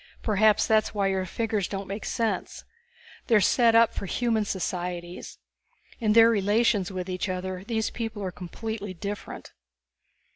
Perhaps that's why your figures don't make sense. They are set up for the human societies. In their relations with each other, these people are completely different."